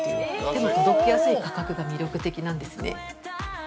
手の届きやすい価格が魅力的なんですね。